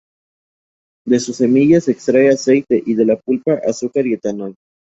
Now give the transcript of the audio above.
De su semilla se extrae aceite y de la pulpa azúcar y etanol.